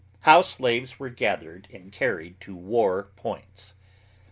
HOW SLAVES WERE GATHERED AND CARRIED TO WAR POINTS.